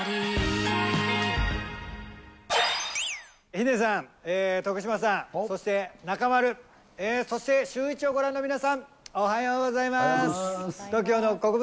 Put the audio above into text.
ヒデさん、徳島さん、そして中丸、そしてシューイチをご覧の皆さん、おはようございます。